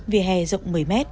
về hè rộng một mươi m